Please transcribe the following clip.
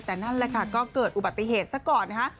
แต่นั่นแหละค่ะก็เกิดอุบัติเหตุซะก่อนนะคะ